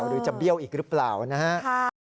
หรือจะเบี้ยวอีกหรือเปล่านะครับ